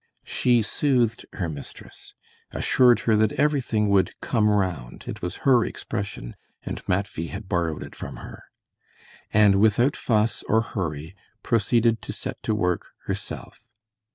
She soothed her mistress, assured her that everything would come round (it was her expression, and Matvey had borrowed it from her), and without fuss or hurry proceeded to set to work herself.